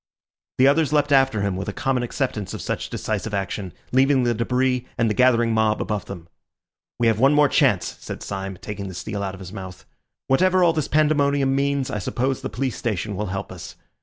The others leapt after him, with a common acceptance of such decisive action, leaving the debris and the gathering mob above them. "We have one more chance," said Syme, taking the steel out of his mouth. "Whatever all this pandemonium means, I suppose the police station will help us.